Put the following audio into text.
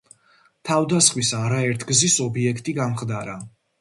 თავდასხმის არაერთგზის ობიექტი გამხდარა.